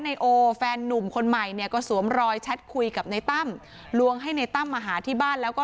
นายโอแฟนนุ่มคนใหม่เนี่ยก็สวมรอยแชทคุยกับในตั้มลวงให้ในตั้มมาหาที่บ้านแล้วก็